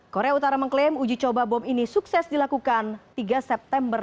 korea utara mengklaim uji coba bom ini sukses dilakukan tiga september